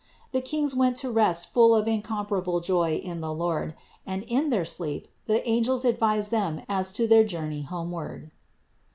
The Kings went to rest full of incomparable joy in the Lord; and in their sleep the angels advised them as to their journey homeward.